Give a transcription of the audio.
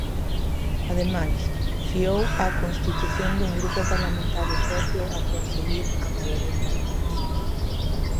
Ademais, fiou a constitución dun grupo parlamentario propio a conseguir a maioría no Congreso.